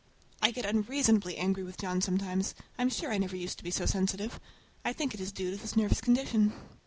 I get unreasonably angry with John sometimes. I'm sure I never used to be so sensitive. I think it is due to this nervous condition.